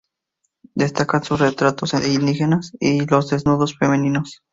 Destacan sus retratos de indígenas y los desnudos femeninos.